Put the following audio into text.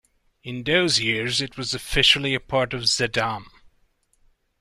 In those years it was officially a part of Zeddam.